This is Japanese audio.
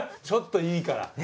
ちょっといいから。